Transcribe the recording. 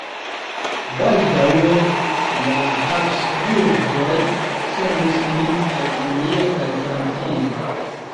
Baldaŭe la Habsburgoj sendis lin al Anglio kaj Francio.